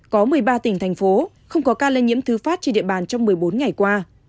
có một mươi ba tỉnh thành phố không có ca lây nhiễm thứ phát trên địa bàn trong một mươi bốn ngày qua